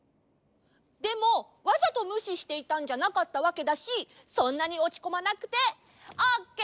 でもわざとむししていたんじゃなかったわけだしそんなにおちこまなくてオッケーオッケー！